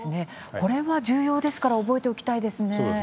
これは重要ですから覚えておきたいですね。